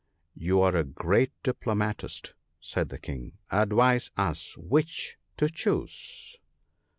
'' You are a great diplomatist !' said the King. ' Advise us which to choose